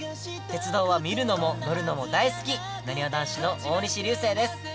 鉄道は見るのも乗るのも大好きなにわ男子の大西流星です。